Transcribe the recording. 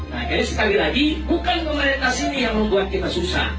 nah jadi sekali lagi bukan komunitas ini yang membuat kita susah